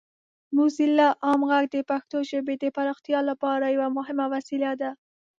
موزیلا عام غږ د پښتو ژبې د پراختیا لپاره یوه مهمه وسیله ده.